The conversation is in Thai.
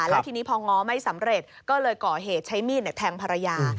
แล้วทีนี้พอง้อไม่สำเร็จก็เลยก่อเหตุใช้มีดแทงภรรยา